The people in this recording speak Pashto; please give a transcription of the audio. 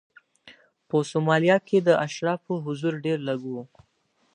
په سومالیا کې د اشرافو حضور ډېر لږ و.